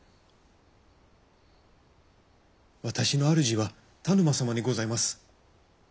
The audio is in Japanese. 私の主は田沼様にございます。